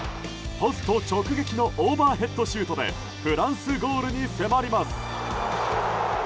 ポスト直撃のオーバーヘッドシュートでフランスゴールに迫ります。